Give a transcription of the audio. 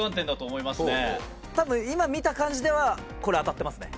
多分今見た感じではこれ当たってますね。